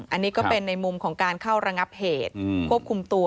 อันนี้ก็เป็นในมุมของการเข้าระงับเหตุควบคุมตัว